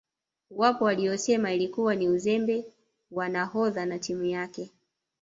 Wapo waliosema ilikuwa ni uzembe wa nahodha na timu yake